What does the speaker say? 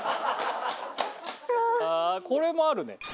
ああこれもあるね。